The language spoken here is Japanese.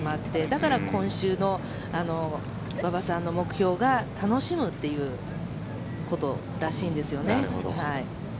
だから今週の馬場さんの目標が楽しむということらしいんですよね。